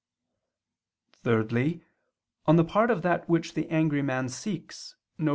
Thirdly, on the part of that which the angry man seeks, viz.